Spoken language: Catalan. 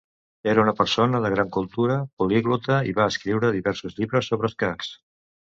Era una persona de gran cultura, poliglota, i va escriure diversos llibres sobre escacs.